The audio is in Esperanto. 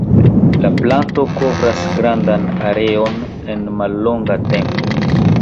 La planto kovras grandan areon en mallonga tempo.